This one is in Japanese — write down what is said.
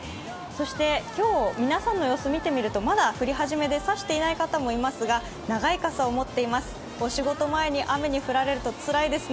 そして今日、皆さんの様子見てみると、まだ降り始めで差していない方もいますが長い傘を持っています。